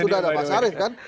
sudah ada pak sarif kan